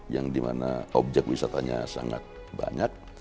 yang dimana objek wisatanya sangat banyak